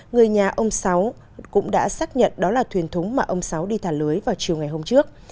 người nhà ông sáu cũng đã xác nhận đó là thuyền thúng mà ông sáu đi thả lưới vào chiều ngày hôm trước